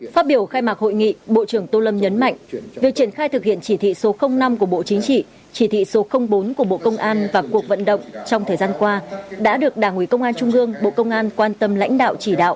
phát biểu khai mạc hội nghị bộ trưởng tô lâm nhấn mạnh việc triển khai thực hiện chỉ thị số năm của bộ chính trị chỉ thị số bốn của bộ công an và cuộc vận động trong thời gian qua đã được đảng ủy công an trung gương bộ công an quan tâm lãnh đạo chỉ đạo